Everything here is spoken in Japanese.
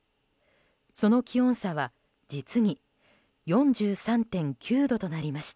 その気温差は実に４３．９度となりました。